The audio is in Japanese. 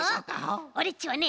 オレっちはね